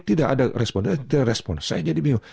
tidak ada respon saya jadi bingung